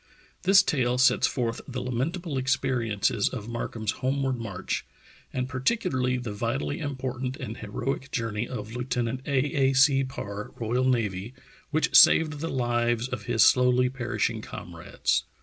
This tale sets forth the lamentable experiences of 253 254 True Tales of Arctic Heroism Markham's homeward march, and particularly the vitally important and heroic journey of Lieutenant A. A. C. Parr, R.N., which saved the lives of his slowly perishing comrades.